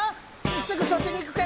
すぐそっちに行くからね！